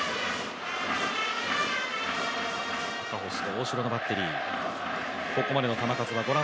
赤星と大城のバッテリー。